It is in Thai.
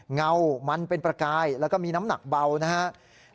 เงามันเป็นประกายแล้วก็มีน้ำหนักเบานะครับ